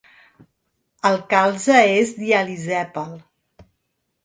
El calze és dialisèpal.